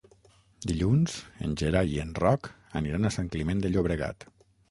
Dilluns en Gerai i en Roc aniran a Sant Climent de Llobregat.